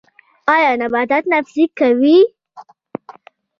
ایا نباتات تنفس کوي؟